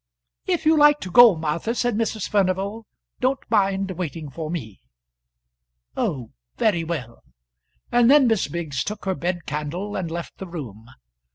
"If you like to go, Martha," said Mrs. Furnival, "don't mind waiting for me." "Oh, very well," and then Miss Biggs took her bedcandle and left the room.